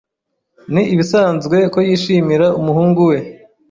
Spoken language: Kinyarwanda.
Ni ibisanzwe ko yishimira umuhungu we.